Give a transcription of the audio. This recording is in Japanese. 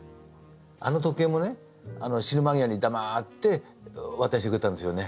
あの時計もね死ぬ間際に黙って渡してくれたんですよね。